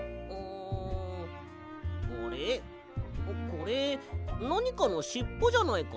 これなにかのしっぽじゃないか？